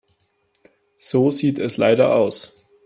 So sieht es leider aus.